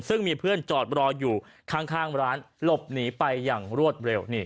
ซึ่งมีเพื่อนจอดรออยู่ข้างร้านหลบหนีไปอย่างรวดเร็ว